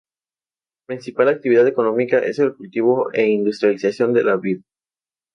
Las principal actividad económica es el cultivo e industrialización de la vid.